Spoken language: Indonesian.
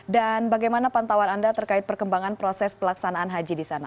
dan bagaimana pantauan anda terkait perkembangan proses pelaksanaan haji di sana